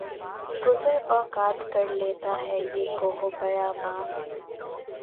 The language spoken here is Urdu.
گزر اوقات کر لیتا ہے یہ کوہ و بیاباں میں